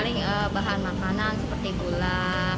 paling bahan makanan seperti gula